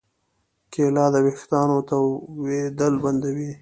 کېله د ویښتانو تویېدل بندوي.